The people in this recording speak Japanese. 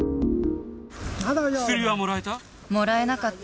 薬はもらえた？